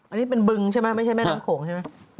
อันนี้เป็นบึงใช่ไหมไม่ใช่แม่น้ำโขงใช่ไหม